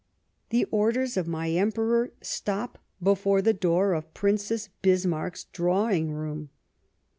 The orders of my Emperor stop before the door of Princess Bismarck's draw ing room.